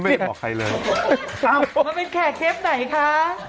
บอกใครเลยมันเป็นแขกเชฟไหนคะ